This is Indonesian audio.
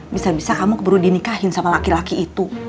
bisa bisa kamu keberudinikahin sama laki laki itu